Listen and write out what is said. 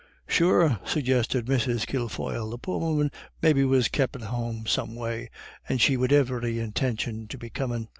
"Sure," suggested Mrs. Kilfoyle, "the poor woman maybe was kep' at home some way, and she wid ivery intintion to be comin'.